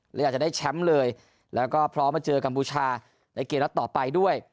หรืออาจจะได้แชมป์เลยแล้วก็พร้อมมาเจอกัมพูชาในเกมนัดต่อไปด้วย